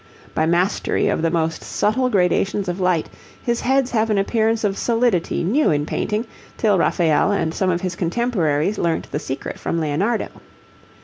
By mastery of the most subtle gradations of light, his heads have an appearance of solidity new in painting, till Raphael and some of his contemporaries learnt the secret from Leonardo.